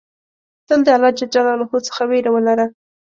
تل د الله ج څخه ویره ولره.